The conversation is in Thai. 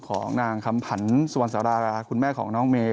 ของนางคำผันสุวรรณสาราราคุณแม่ของน้องเมย